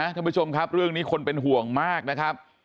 ท่านผู้ชมครับเรื่องนี้คนเป็นห่วงมากนะครับ